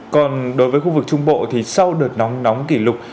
còn đối với khu vực trung bộ thì sau đợt nắng nóng kỷ lục